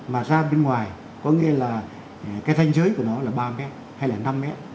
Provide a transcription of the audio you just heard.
mà ra bên ngoài có nghĩa là cái thanh giới của nó là ba mét hay là năm mét